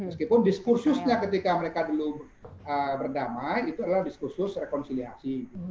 meskipun diskursusnya ketika mereka dulu berdamai itu adalah diskursus rekonsiliasi